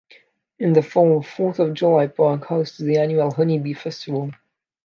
In the fall, Fourth of July Park hosts the annual Honeybee Festival.